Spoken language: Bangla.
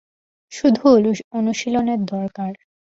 শুধু অনুশীলনের দরকার।